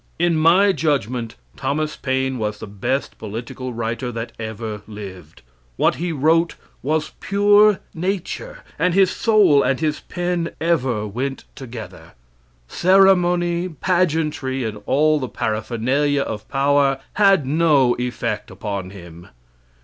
In my judgment Thomas Paine was the best political writer that ever lived. "What he wrote was pure nature, and his soul and his pen ever went together." Ceremony, pageantry, and all the paraphernalia of power had no effect upon him.